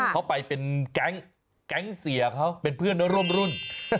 เขาไปเป็นแก๊งเสียเขาเป็นเพื่อนร่วมรุ่น